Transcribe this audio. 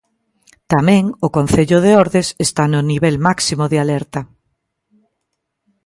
Tamén o concello de Ordes está no nivel máximo de alerta.